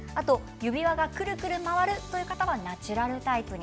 指輪がくるくる回るのはナチュラルタイプ。